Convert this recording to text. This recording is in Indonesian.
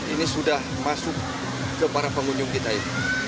ini sudah masuk ke para pengunjung kita ini